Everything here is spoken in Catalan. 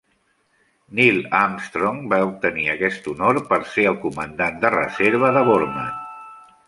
Neil Armstrong va obtenir aquest honor per ser el comandant de reserva de Borman.